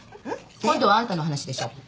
今度はあんたの話でしょ。